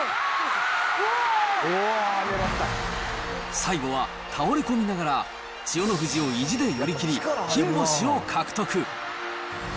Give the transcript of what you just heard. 最後は倒れ込みながら、千代の富士を意地で寄り切り、金星を獲得。